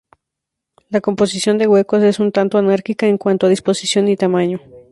La composición de huecos es un tanto anárquica en cuanto a disposición y tamaño.